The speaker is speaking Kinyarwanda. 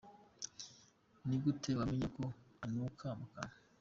Ni gute wamenya ko unuka mu kanwa?.